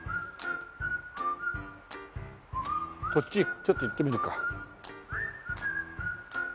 こっちちょっと行ってみるか。